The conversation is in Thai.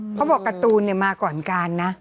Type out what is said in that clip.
เออเขาบอกการ์ตูนเนี่ยมาก่อนการนะ